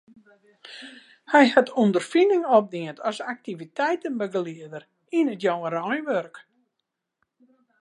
Hy hat ûnderfining opdien as aktiviteitebegelieder yn it jongereinwurk.